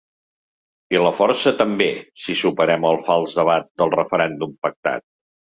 I la força també, si superem el fals debat del referèndum pactat.